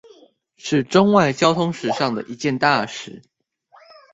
是中外交通史上的一件大事